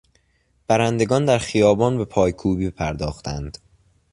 برندگان در خیابان به پایکوبی پرداختند.